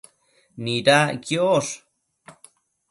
Nidac quiosh